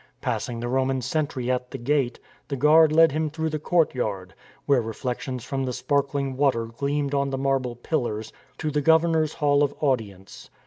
Passing the Roman sentry at the gate, the guard led him through the courtyard, where reflections from the sparkling water gleamed on the marble pillars, to the governor's Hall of Audience.